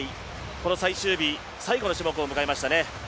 この最終日、最後の種目を迎えましたね。